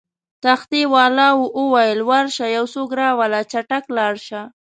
تختې والاو وویل: ورشه یو څوک راوله، چټک لاړ شه.